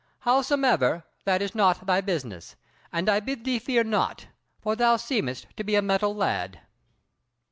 Howsoever, that is not thy business; and I bid thee fear naught; for thou seemest to be a mettle lad."